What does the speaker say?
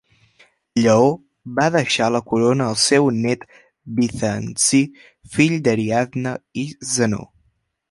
Lleó va deixar la corona al seu nét Bizanci, fill d'Ariadna i Zenó.